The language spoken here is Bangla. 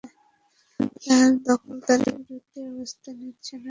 তারা দখলদারের বিরুদ্ধে ব্যবস্থা নিচ্ছে না কেন?